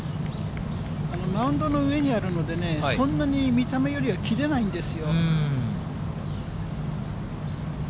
マウンドの上にあるので、そんなに見た目よりは切れないんですよ。